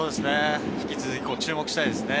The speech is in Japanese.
引き続き注目したいですね。